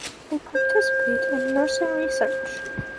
They participate in nursing research.